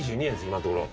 今のところ。